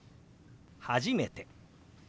「初めて」。